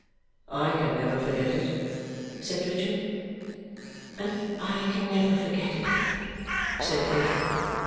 "I can never forget it," said Richard. "And I can never forget it," said Ada.